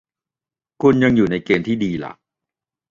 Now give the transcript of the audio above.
คุณยังอยู่ในเกณฑ์ที่ดีล่ะ